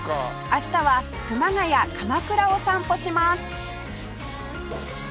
明日は熊谷鎌倉を散歩します